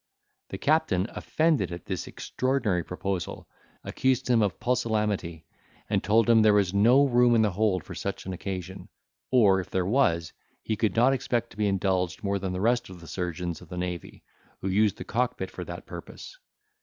The captain, offended at this extraordinary proposal, accused him of pusillanimity, and told him, there was no room in the hold for such an occasion: or, if there was, he could not expect to be indulged more than the rest of the surgeons of the navy, who used the cockpit for that purpose.